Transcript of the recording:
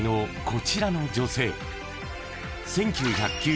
［こちらの女性］